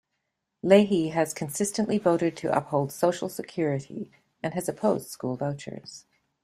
Leahy has consistently voted to uphold Social Security and has opposed school vouchers.